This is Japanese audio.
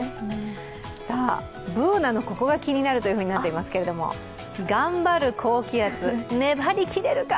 Ｂｏｏｎａの「ココがキニナル」となっていますけど、頑張る高気圧、粘りきれるか？